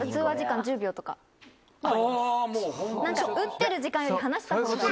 打ってる時間より話したほうが。